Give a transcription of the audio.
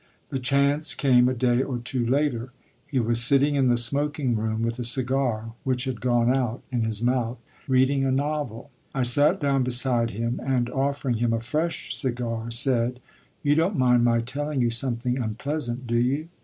The chance came a day or two later. He was sitting in the smoking room, with a cigar, which had gone out, in his mouth, reading a novel. I sat down beside him and, offering him a fresh cigar, said: "You don't mind my telling you something unpleasant, do you?"